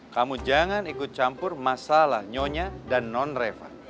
kamu jangan ikut campur masalah nyonya dan non reva